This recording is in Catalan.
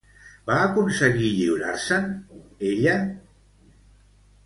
Va aconseguir lliurar-se'n, ella?